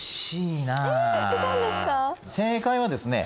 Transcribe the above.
正解はですね